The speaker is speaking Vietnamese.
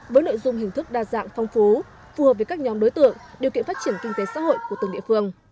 với nội dung hình thức đa dạng phong phú phù hợp với các nhóm đối tượng điều kiện phát triển kinh tế xã hội của từng địa phương